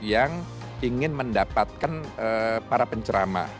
yang ingin mendapatkan para pencerama